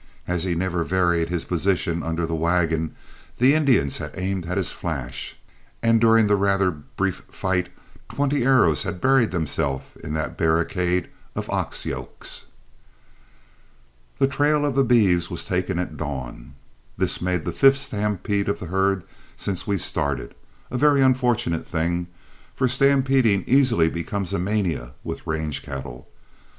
As he never varied his position under the wagon, the Indians had aimed at his flash, and during the rather brief fight twenty arrows had buried themselves in that barricade of ox yokes. The trail of the beeves was taken at dawn. This made the fifth stampede of the herd since we started, a very unfortunate thing, for stampeding easily becomes a mania with range cattle.